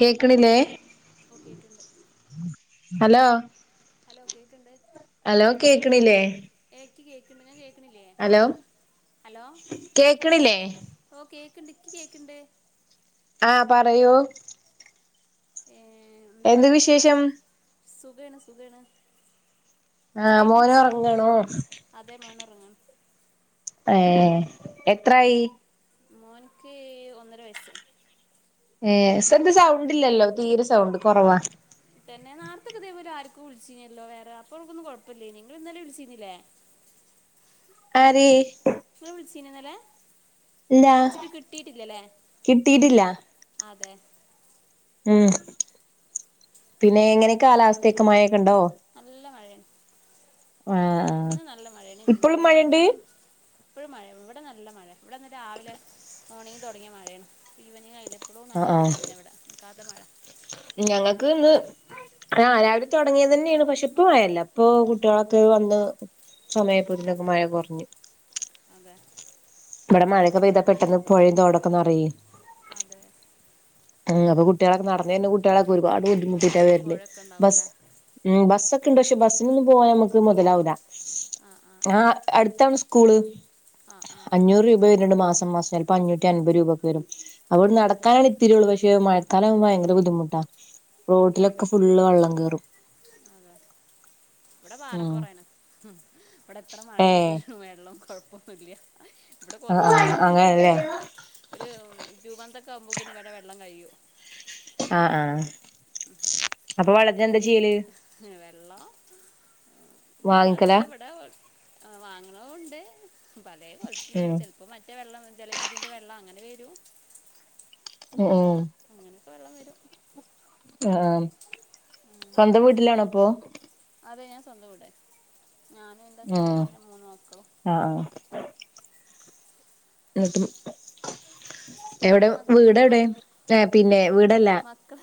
കേക്ക്ണില്ലേ? ഹലോ ഓ കേക്ക്ണ്ട് ഹലോ ഹലോ കേക്ക്ണ്ട് അലോകേക്ക്ണില്ലേ? ഏ ഇക്ക് കേകിണ്ട് ഞാനെ അലോ കേക്ക്ണില്ലേ? ണ്ട് ഇൻക്ക് കേക്ക്ണ്ട്. ആ പറയൂ. ഏ എന്ത് വിശേഷം സുഖേണ് സുഖേണ്. ആ ചായക്കെ മോന് കുടിച്ചോ ഉറങ്ങാണോ അതെ മോനുറങ്ങണ്. ഏ എത്രായി? മോൻക്ക്ഹ് ഒന്നര വയസ്സ്. ഏ ഇത് സൗണ്ടില്ലല്ലോ തീരെ സൗണ്ട് കൊറവാ. പിന്നെ നാർത്തെ ഇതേപോലെ ആർക്കോ വിളിച്ചിനല്ലോ വേറെ അപ്പോ ഒന്നുംകുഴപ്പല്ലേനീ നിങ്ങൾ ഇന്നലെ വിളിച്ചീന്നില്ലേ? ആര് ഇങ്ങള് വിളിച്ചീനോന്നലേ ഇല്ലാ കിട്ടീട്ടില്ല അതെ ഉം പിന്നെ എങ്ങനെ കാലാവസ്ഥെക്കെ മഴ നല്ല മഴയണ് ആ ആ ഇന്ന് നല്ല മഴയാണ് ഇപ്പോഴും ഇന്നലെ ഉം മഴയുണ്ട് ഇന്നലെ ഉംഇപ്പഴും മഴ ഇവിടെ നല്ല മഴെ ഇവിടെന്ന് രാവിലെ മോണിംഗ് തൊടങ്ങിയ മഴയാണ് ഈവനിങ് ആയി ലെ അഹ് ആഹ് ഞങ്ങക്ക് ഇന്ന് ആഹ് രാവിലെ തൊടങ്ങേതന്നെണ് പക്ഷെ ഇപ്പൊ മഴല്ല ഇപ്പോ കുട്ട്യാളൊക്കെ വന്ന് സമയായപ്പോത്തിനൊക്കെ മഴ കൊറഞ്ഞ് അതെ ഇവടെ മഴൊക്കെ പെയ്താ പെട്ടെന്ന് പൊഴേ തോടൊക്കെ നറയേ അതെ ഉം അപ്പൊ കുട്ട്യാളൊക്കെ നടന്നര്ണ കുട്ട്യാളൊക്കെ ഒരുപാട് ബുദ്ധിമുട്ടിട്ടാ തോടും വെര്ല് പുഴയൊക്കെ ബസ് ഉണ്ടാവുമല്ലേ ഉം ബസ് ക്കെണ്ട് പക്ഷേ ബസ്സിലൊന്നും പോയാ ഞമ്മക്ക് മൊതലാവൂലാ ആ അട്ത്താണ് സ്കൂള് ആ ആ ആ അഞ്ഞൂറ് രൂപ വെര്ണ് ണ്ട് മാസം മാസം ചെലപ്പോ അഞ്ഞൂറ്റി അൻപത് രൂപ ഒക്കെ വെരും അത് അവ്ട്ന്ന് ശരി നടക്കാന്ള്ള പക്ഷേ മഴക്കാലാവുമ്പോ ഭയങ്കര ബുദ്ധിമുട്ടാ അതെ റോട്ടിലൊക്കെ ഫുള്ള് വള്ളം കേറും [inaudible] ഇവിടെ പാറ ഉം പൊറേണ് ഉം ഇവിടെ എത്ര ഏഹ് മഴെയ്ത്ട്ടും വെള്ളം കൊഴ [unintelligible] ഇവടെ ആഹ് കുറച്ച് ആഹ് കഴിഞ്ഞൊരു അങ്ങനല്ലേ രണ്ട് ഒരു രൂപന്തൊക്കാവുമ്പോ ഇവടെ വെള്ളം കയ്യും ആ ആ അപ്പൊ വളള ഏ വെള്ളം ഞങ്ങളെ വാങ്ങിക്കലാ വീട്ടിൽവടെ വാങ്ങണോണ്ട് പലേ കോൽത്തിലുണ്ട് ഉം ചെൽപ്പോ മറ്റേ വെള്ളം ജലനിധിന്റെ വെള്ളം അങ്ങനെ വെരും അ ആ അ ആ സ്വന്തം വീട്ടിലാണോപ്പൊ അതെ ഞാൻ സ്വന്തം വീടെന്നെ ഞാനും ന്റെ ഹസ്ബന്റും ഉം ന്റെ മൂന്ന് മക്കളും ആഹ് [inaudible] എവടെ വീടെവിടെ ആ പിന്നെ വീടല്ല മക്കൾ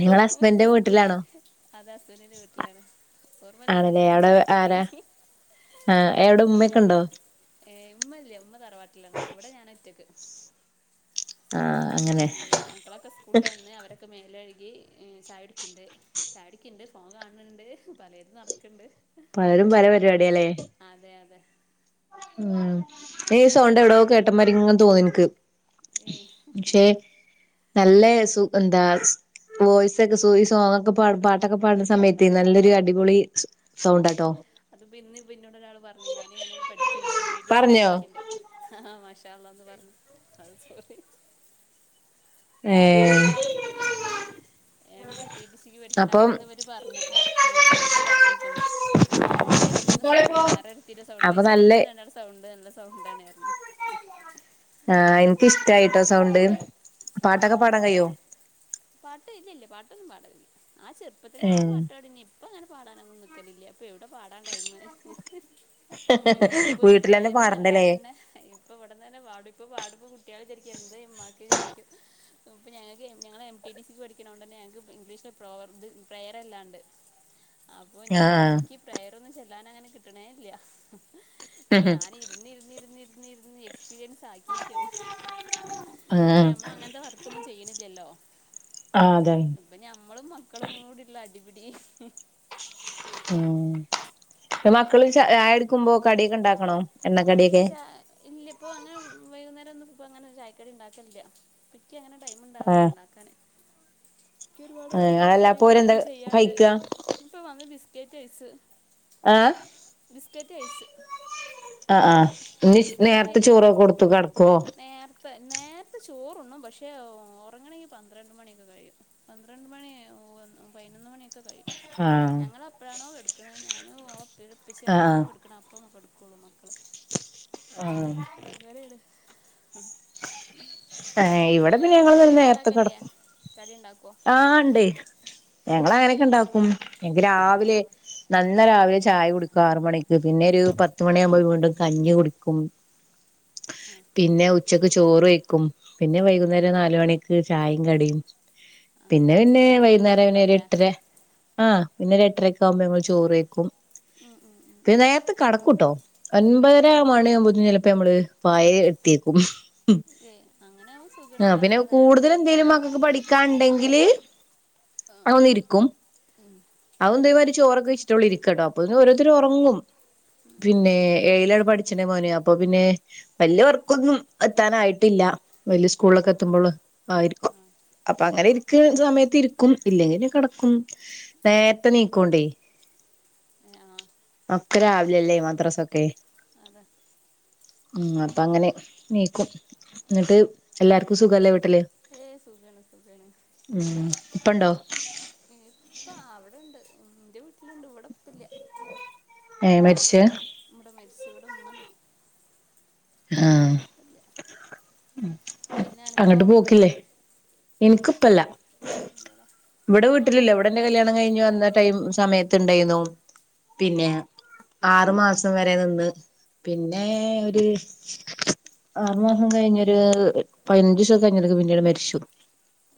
നിങ്ങള് ഹസ്ബന്റിന്റെ വീട്ടിലാണോ അതെ ഹസ്ബന്റിന്റെ വീട്ടിലാണ് ഓർമ്മല്ലാതെ ങ്ങനൊന്നും ചോയ്ക്കല്ലി ആ എവടെ മ്മയൊക്കെ ണ്ടോ ഏ മ്മല്ല മ്മ തറവാട്ടിലാണ് ഇവിടെ ഞാനൊറ്റക്ക് ആ മക്കളക്കെ സ്കൂൾടെന്ന് അവരെക്കെ മേലഴ് കി ചായുടിക്കണ്ട് ചായുടിക്കണ്ട് ഫോൺ കാണ്ണ്ണ്ട് പലതും നടക്ക്ണ്ട് പലരും പല പരിപാടിയാല്ലേ തെ അതെ ഉം ഈ സൗണ്ട് എവ്ടോ കേട്ടമാതിരിങ്ങ തോന്ന്നിക്ക് ഏഹ് പക്ഷെ നല്ല സു എന്താ സ് വോയ്സ് ഒക്കെ സു ഈ സോങ് ഒക്കെ പാട്ടൊക്കെ പാടുന്ന സമയത്തെ നല്ലൊരു അടിപൊളി സൗണ്ടാട്ടോ അത് പിന്നെ പിന്നിട് ഒരാള് പറഞ്ഞു ഞാനിങ്ങനെ പഠി ക്ണ്ട് ടി ടി സി ക്ക് പറഞ്ഞോ പഠിക്ണ്ട് അഹ് അഹ് മാഷാള്ളാന്ന് പറഞ് അത് [unintelligible] ഏഹ് എം ടി ടി സിക്ക് പഠിക്ക അപ്പം അപ്പന്ന് ഇവര് പറഞ്ഞ് ഒരു കുട്ടി പറഞ്ഞ് ഇപ്പന്ന് അന്റെ സൗണ്ട് വേറൊരുത്തിടെ സൗണ്ട് അപ്പൊ ഉപയോഗിച്ചാണ് നല്ല നിങ്ങള് രണ്ടാളും സൗണ്ട് നല്ല സൗണ്ടാണേ പറണെ ആഹ് എന്ക്കിഷ്ടായിട്ടോ സൗണ്ട് ഓ പാട്ടൊക്കെ പാടാൻ കയിയോ പാട്ട് ഇല്ലില്ല പാട്ടൊന്നും പാടലില്ല ആ ചെറുപ്പത്തിലേ ആ പാട്ട് പാടിനി ഇപ്പം അങ്ങനെ പാടാനൊന്നും നിൽക്കലില്ല ഇപ്പൊ എവിടെ പാടാൻ ടൈം ഇപ്പൊ ഒരു വീട്ടിലന്നെ ബ്രയറി ചൊല്ലാൻ പാടണ്ടല്ലേ തന്നെ ഇപ്പൊ ഇവിടന്ന് തന്നെ പാടും ഇപ്പൊ പാടുമ്പം കുട്ടികൾ വിചാരിക്കും എന്താ ഉമ്മാക്ക് ശരിക്കും ഇപ്പം ഞങ്ങൾക്ക് ഞങ്ങൾ എം ടി ടി സിക്ക് പഠിക്കണ കൊണ്ട് തന്നെ ഞങ്ങക്ക് ഇംഗ്ലീഷിൽ പ്രോവർബ് പ്രയർ അല്ലാണ്ട് അപ്പൊ ഞാൻ ആഹ് എനിക്ക് പ്രയറൊന്നും ചൊല്ലാൻ അങ്ങനെ കിട്ടണേയില്ല ഇപ്പം ആഹ് ഞാനിരുന്ന് ഇരുന്ന് ഇരുന്ന് ഇരുന്ന് ഇരുന്ന് എക്സ്പീരിയൻസ് ആക്കിയേക്കുവാണ് ആ നമ്മൾ അങ്ങനത്തെ വർക്കൊന്നും ചെയ്യുന്നില്ലല്ലോ ആഹ് അതാണ് ഇപ്പൊ ഞമ്മളും മക്കളും കൂടിള്ള അടിപിടി ഉം ഇപ്പം മക്കള് ചായ എടുക്കുമ്പോ കടിയൊക്കെ ഉണ്ടാക്കണോ ഇല്ല എണ്ണക്കടിയൊക്കെ ച ഇല്ല ഇപ്പൊ അങ്ങനെ വൈകുന്നേരം ഒന്നും ഇപ്പം അങ്ങനെ ചായക്കടി ഉണ്ടാക്കലില്ല എനിക്ക് അങ്ങനെ ടൈം ഉണ്ടാവില്ല ആഹ് ഉണ്ടാക്കാനെ എനിക്ക് ഒരുപാട് ആഹ് വർക്കും അല്ല കാര്യങ്ങളും അപ്പോരെന്താ അതും ചെയ്യാനുണ്ട് കഴിക്ക ഇപ്പൊ വന്ന് ബിസ്കറ്റ് കഴിച്ച് ആ ബിസ്കറ്റ് കഴിച്ച് ആ ആ ഇന്ന് നേരത്തെ ചോറു ഒക്കെ കൊടുത്തു കെടത്തോ നേർ പ്പെ നേർത്തെ ചോറണ്ണും പക്ഷേ ഉറങ്ങണെങ്കിൽ പന്ത്രണ്ട് മണിയൊക്കെ കഴിയും പന്ത്രണ്ട് മണി ഉവ്വ പതിനൊന്ന് മണിയൊക്കെ കഴിയും ആഹ് ഞങ്ങൾ എപ്പഴാണോ കെടക്കണത് ഇവിടെ ഉപ്പച്ചി എപ്പഴാണോ ആഹ് കെടക്കുന്നത് അപ്പം കെടക്കോള്ളൂ മക്കള് ആ ഉം ഏ ഇവിടെ പിന്നെ ഞങ്ങൾ [unintelligible] നേരത്ത ഉണ്ടാക്കലില്ലേ കെടക്കും കടി ഉണ്ടാക്കുമോ ആ ഉണ്ട് ഞങ്ങൾ അങ്ങനൊക്കെ ഉണ്ടാക്കും എനിക്ക് ആ രാവിലെ ന ല്ല രാവിലെ ചായ കുടിക്കും ആറ് മണിക്ക് പിന്നെ ഒരു പത്ത് മണിയാകുമ്പോ വീണ്ടും കഞ്ഞി കുടിക്കും പിന്നെ ഉച്ചക്ക് ചോറ് കഴിയ്ക്കും പിന്നെ വൈകുന്നേരം നാല മണിക്ക് ചായയും കടിയും ആ പിന്നെ പിന്നെ നിങ്ങൾ വീട്ടിൽ വൈകുന്നേരം പിന്നെ ഒരു ഉണ്ടാക്കുന്നുണ്ടാവൂലേ എട്ടര ആ പിന്നെ സങ്ങൾ ചോറ്ക്കും ഉം ഉം ഉം പിെ ഉം നേരത്തെ കടക്കൂട്ടോ ഒൻപതര മണിയ ആകുമ്പോത്തും ചിലപ്പോ നമ്മള് പായ എടുത്തിയേക്കും ആ ആ പിന്നെ കൂടുതൽ എന്തെലും മക്കൾക്ക് പഠിക്കാൻുണ്ടെങ്കില് ആ അതൊന്ന ഇരിക്കും ഉം അതന്ത മാരി ചോ വെച്ചിട്ട ഇരിക്ക കേട്ടോ അ ഓരോരുത്ത ഉറങ്ങും ഉം പിന്നെ ഉം എയിലർ പഠി അച്ഛ മോന അപ്പൊ പിന്നെ വലിയവർക്കൊന്നും എത്താനായിട്ടില്ല വല്യ സ്കൂളൊക്കെ എത്തുമ്പോള് ആയിരിക്കും അപ്പൊ അങ്ങനെ ഇരിക്കുന്ന സമയത്ത് ഇരിക്കും ഇല്ലെങ്കിൽ ഞാൻ കിടക്കും ഉം. നേരത്തെ നീക്കോണ്ടേ ഏ ആ അത്ര ആാവില്ലല്ലേ മദ്രാസൊക്കെ അത ഉ അപ്പ അങ്ങനെ നീക്കും എന്നിട്ട് എല്ലാർക്കും സുഖല്ലേ വീട്ടല് ഏയ് സുഖേണ സുഖേണ് ഇപ്പണ്ടോ ഇപ്പ അവിടെണ്ട് എന്റെ വീട്ടിലിണ്ട് ഇവിടെപ്പില്ല ഏ മരിച്ച ഇവിടെ മരിച്ച ഇവിടെ ഉമ്മന ആഹ പിന്നെ എനിക്കോ അങ്ങോട്ട് പോക്കില്ലേ എനിക്കിപ്പല്ല ഇല്ലടാ ഇവിടെ ആ ഞാൻ വീട്ടിലല്ലോ പോ എവിടെന്റെ കല്യാണം കഴിഞ്ഞ്ഞു വന്നിട്ട് സമയത്ത് ഉണ്ടായിരുന്നു പിന്നെ ആറു മാസം വരെ നിന്ന് പിന്നെ ഒരു ആറു മാസം കഴിഞ്ഞരു പതിനഞ്ച് ദസം കഴിഞ്ഞൊക്കെ പിന്നീട് മരിച്ചു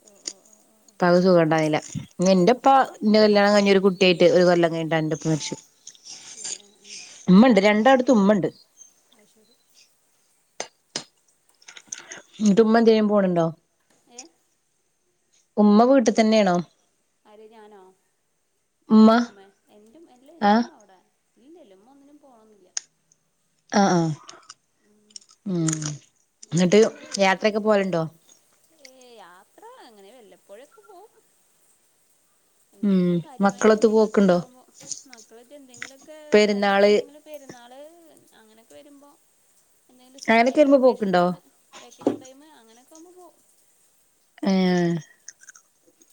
ഓ ഓ ഓ ഓ അപ്പ അത് സുഖംണ്ടാന്നുന്നില്ല ഇ ആ എന്റെപ്പാ ശരി നിന്റെ കല്യാണം കഴഞ്ഞ ഒരു കുട്ടിയായിട്ട് ഒരു കൊല്ം കഴിഞ്ഞിട്ട എന്റെപ്പ മരിച്ചു അത് ഉമ്മുണ്ട് രണ്ടാടത്ത ഉമ്മുണ്ട് ശരി തുമ്മന്തേും പോണണ്ടോ ഏ ഉമ്മ വീട്ടിൽ തന്നെയാണോ അര് ഞാനോ എറ ഉമ്മ എറ എല്ല എൻറ ആഹ് ഉമ്മ അവിടെ ഇല്ലല്ലമ്മ ഒന്നിനും പോണംന്നില്ല ആഹ ആഹ ഉ ഉമ്മ എന്നിട്ട് അങ്ങനെ വീട്ടില് യാത്രയക്കെ പോലുണ്ടോ ഏ യാത്ര അങ്ങനെ വല്ലപ്പോഴൊക്കെ പോവും ഉം എ കാര്യമായി മക്കളൊത്ത് എന്തെങ്കിലുമ പോക്കുണ്ടോ ഒക്കെണ്ടകുമ്പോ മക്കള എന്തെങ്കിലൊക്കെ കാര്യമായിട്ട് പെരുന്നാള് എന്തെങ്കിലൊക്ക എന്നാള് അങ്ങനൊക്കെ വരുമ്പോ എന്തെും അങ്ങനൊക്കെ സ്കൂൾവ് വരുമ്പോ വെക്കേഷൻ പോക്കുണ്ടോ ടൈമ വെക്കേഷൻ ടൈമ അങ്ങനെയൊക്കെുമ്പോ പോ ആഹ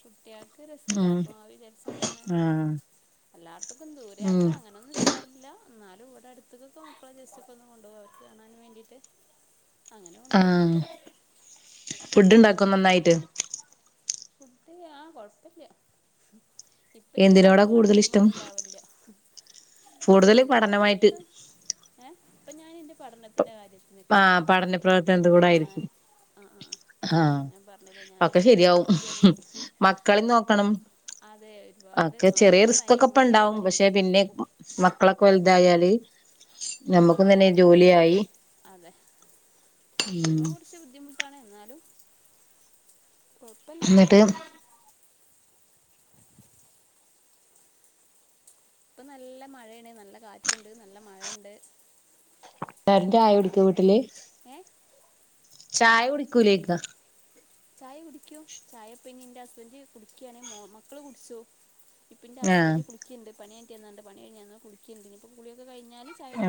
കുട്ടികൾക്ക് രസല്ല അപ്പൊ ആ വിചാരിച്ചോണ്ട്ങ്ങനെ ആഹ് എല്ലാർത്തക്കും ദൂരയാത്ര ഉം അങ്ങനെയൊന്നും ചെയ്യാറില്ല എന്നാലും ഇവിടെ അടുത്തക്കൊക്കെ മക്കളെ ജസ്റ്റ് ഒക്കെ ഒന്ന് കൊണ്ടുപോ അവർക്ക് കാണാൻ വേണ്ടിട്ട് ആഹ ഫുഡ്ണ്ടാക്കും നന്നായിട്ട് ഫുഡഡ ആഹ കൊഴപ്പില്ല ഇപ്പക്കെ എന്തിനോടാ ഇണ്ടാക്കാനുള്ള കൂടുതൽ ടൈമ ഇഷ്ടം ഒന്നും ഇണ്ടാവില്ല കൂടുതൽ കൂടുതല പഠനമായിട്ട് ഇഷ്ടം ഏ ഇപ്പൊ ഞാൻ എറെ പഠനത്തി ത്തിന്റെ കാര്യത്തിനൊക്ക വേണ്ടിട്ട് ഞാൻ ആ ആ ആഹ ഞാൻ പറഞ്ഞില്ലേ അക്കെ ഞാനിപ്പോൾ ഇങ്ങനെ ശരിയാവും പഠിക്കുകയാണ് മക്കളി നോക്കണം അതെ ഒരുപാട് അക്കെ അത് ചെറിയ തന്നെ റിസ്ക്ക്കെ ഇപ്പ ഭയങ്കര ഉണ്ടാവും പണിയാണ് പക്ഷെ പിന്നെ മ മക്കളൊക്കെ വലുതായാല് നമ്മുക്ക തന്നെ ജോലിയായി ഉം ഇപ്പൊ കൊറച്ച് ബുദ്ധിമുട്ടാണ് എന്നാലും. കുഴപ്പമില്ല ന്ന്ട്ട്. ഇപ്പൊ നല്ല മയേണ് നല്ല കാറ്റ്ണ്ട് നല്ല മയണ്ട്. [unintelligible] വീട്ടില്. ഏ ചായ കുടിക്കൂലേക്ക. ചായ കുടിക്കും ചായപ്പ ഇനി ന്റെ ഹസ്ബന്റ് കുടിക്യാണ് മക്കള് കുടിച്ചു. ആഹ് ഇപ്പെന്റെസ്ബന്റ് കുളിക്കിണ്ട് പണി മാറ്റിയന്നാണ്ട് പണി ഴിഞ്ഞന്ന കുളിക്കിണ്ട് ഞ്പ്പം കുളിയൊക്കെ കൈ ആ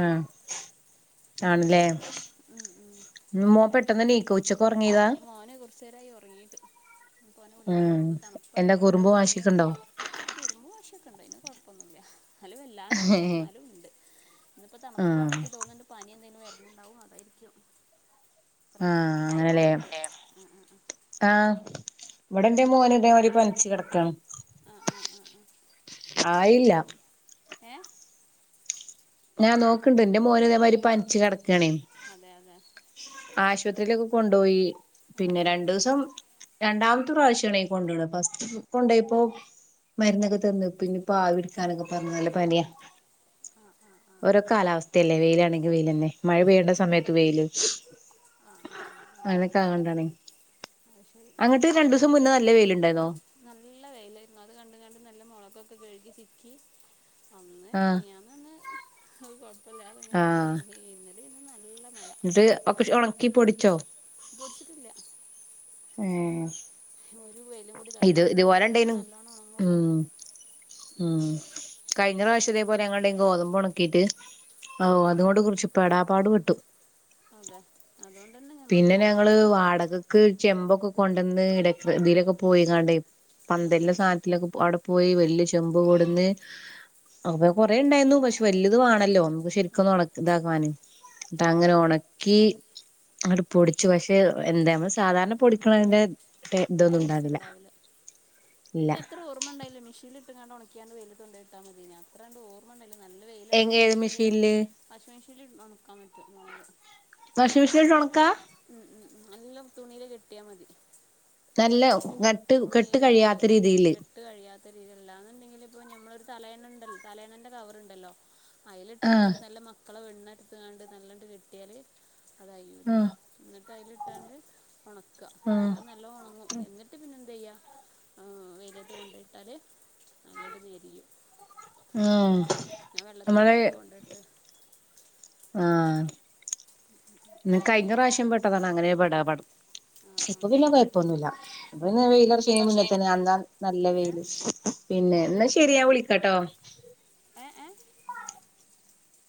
ആണ്ലെ [unintelligible] ഉം ഉം മോ പെട്ടെന്ന് നീ മോന് കൊറചേരായി ഒറങ്ങീട്ട്. ഞ്പ്പോ ഓനെ വിളിക്കണം ഉം ന്ന്പ്പോ എന്താ തണുപ്പായപ്പോ എന്തോ കുറുമ്പും പനിയോ വാശിയൊക്കെ ക് ഉണ്ടോ കുറുമ്പ് വാശി [unintelligible] ന്ന് കൊയപ്പന്നൂല്യ എന്നാലും വല്ലാണ്ട്ല്ല ആഹ് എന്നാലും ഉണ്ട്. ഇന്നിപ്പോ ആഹ് തണുപ്പാണെങ്കി ക്ക് തോന്ന്ണ്ട് പനി എന്തെങ്കിലും വര്ന്ണ്ടാവും അതായിരിക്കും. കുറേ ആ നിങ്ങൾ ടൈം അങ്ങനെലെ നോക്കുന്നില്ലേ ആ. ഇവിടെ ന്റെ മോന് ഇതേമാരി പനിച്ച് കെടക്കാണ്. ആ ആ ആ ആ. ആയില്ല ഏ. ഞാ ന്നോക്ക്ണ്ട് ന്റെ മോന് ഇതേമാരി പനിച്ചു കെട്ക്കാണേ അതെ അതെ ആ പത്രിയിലക്കെ കൊണ്ടോയി ആ പിന്നെ ആ ആ ആ രണ്ടൂസം രണ്ടാം ത്തുപ്രാശ്യാണെ കൊണ്ടോണെ ഫസ്റ്റ് കൊ കൊണ്ടോയപ്പൊ. മരുന്നൊക്കെ തന്നു പിന്നെ പ്പാവിട്ക്കാനൊക്കെ പറഞ്ഞു നല്ല പന്യാ. ആ ആ. ഓരോ കാലാവസ്ഥയല്ലേ വെയിലാണെങ്കിൽ വെയിൽ ന്നെ മഴ പെയ്യേണ്ട സമയത്ത് വെയില്. ആ ആ ആ ആ അനക്ക [unintelligible] വെയിലുണ്ടായിരുന്നോ നല്ല വെയിലാരുന്നു അത് കണ്ട്കാണ്ട് നല്ല മൊള ക്കൊക്കെ കഴുകി സിക്കി ആഹ്. ആഹ്. കുഴപ്പമില്ലാതെ ഇങ്ങനെ ആയി ആഹ്. ഇന്നലെ ഇന്ന് നല്ല മഴ ന്ന്ട്ട് ഒക്കെ ശ് ഒണക്കി പൊടിച്ചോ? പൊട്ച്ചിട്ട്ല്ല. ഏഹ് ഒരു വെയിലും കൂടി ഇത് തട്ടണം ന്നാലേ ഇതുപോലെ ഇപ്പത് ഇണ്ടേനു നല്ലോണം ഒണങ്ങൊള്ളു. ഉം ഉം കഴിഞ്ഞ പ്രാശം ഇതേപോലെ [unintelligible] ഗോതമ്പ് ഒണക്കിട്ട് ഓഹ് അതുകൊണ്ട് കൊറച്ച് പെടാ പാട് പെട്ടു. അതെ അതൊ പിന്നെ ഞങ്ങള് വാടകക്ക് ചെമ്പൊക്കെ കൊണ്ടന്ന് [unintelligible] തിലൊക്കെ പോയിക്കാണ്ടേ ആ ആ പന്തല്ന് സാധനത്തിലൊക്കെ പൊ അവടെ പോയി വ ല്യ ചെമ്പ് കൊട്ന്ന് അപ്പോ കൊറെ ഒണ്ടായ്ന്നു പഷേ വല്ത് വാണല്ലോ. ആ ശെരിക്കൊന്നു അതെ ഒണക് ഇതാക്കാന് ന്ന്ട്ടങ്ങനെ ഒണക്കി അങ്ങട്ട് പൊടിച്ചു പഷേ എന്തെ മ്മള് സാധാരണ പൊടിക്ക്ണതിന്റെ ടേസ്റ്റ് ഒണ്ടാവില്ല ഇല്ല ക്ക്യത്ര ഓർമ്മണ്ടായില മെഷീൻലി ട്ട്ക്കാണ്ട് ഒണക്ക്യാണ്ട് വെയിലത്ത് കൊണ്ടേയിട്ട മതിയേനി അത്രണ്ട് ഓർമ്മണ്ടല്ല നല്ല വെയില്ണ്ടാവ ഏത് മെഷീനിൽ ഇടാ മെഷീനില് വാഷിംഗ് മെഷീനിൽ ഒണക്കാൻ പറ്റും മൊളക്. വാഷിമിഷീട്ട് ഒണക്കാ? നല്ലം തുണീല് കെട്ടിയാ മതി. നല്ലോം തുണീല് കെട്ടാ കെട്ട് അഴിയാത്ത രീതി ല്ലാന്ന്ണ്ടെങ്കിൽ ഇപ്പോ ഞമ്മള് തലയണണ്ട്ല് തലയണന്റെ കവറുണ്ടല്ലോ അയില് ആഹ് ഇട്ട്കാണ്ട് നല്ല മ ക്കള വെണ്ണ്ട്ത്ത്ക്കാണ്ട് നല്ലണ്ട് കെട്ടിയാല് അതയൂല ആഹ് ന്ന്ട്ട് അതിലിട്ടാണ്ട് ഒണക്ക ആഹ് അപ്പോ നല്ലൊ ഒണങ്ങും എ ന്തയ്യാ ആ വെയിലത്ത് കൊണ്ടോയിട്ടാല് നല്ലണ്ട് ഞെരിം. ആഹ ഞാൻ വെള്ളത്തോട്ക്കല്ലേ കൊണ്ടോയിട്ടെ ആഹ് ഇ കഴിഞ്ഞ പ്രാവശ്യം പെട്ടതാണ് അങ്ങനെ പടാ പടം ആ ആ ഇപ്പൊ ആ പിന്ന കുഴപ്പൊന്നുമല്ല ഇപ്പൊ പിന്ന വെയിലുറച്ചു ആ. കഴിയുന്ന മുന്നേ ഷെയ്മ് തന്ന അന്താ നല്ല അങ്ങനെ വെയിയില് പിന്നെ ശെരിയാ വിളിക്കാട്ടോ ഏ